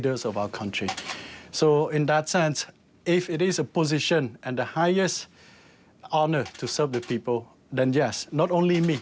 ด้วยสิ่งที่สำคัญก่อนถึงการเป็นลูกรัฐมนตรี